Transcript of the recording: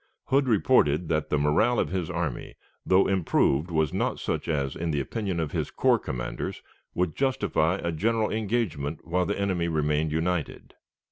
Hood reported that the morale of his army, though improved, was not such as, in the opinion of his corps commanders, would justify a general engagement while the enemy remained united.